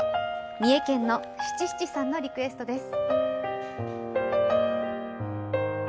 三重県のしちしちさんのリクエストです。